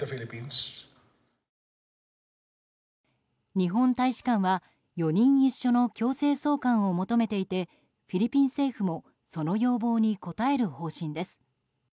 日本大使館は４人一緒の強制送還を求めていてフィリピン政府もその要望に応える方針です。